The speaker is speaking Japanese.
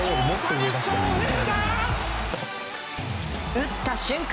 打った瞬間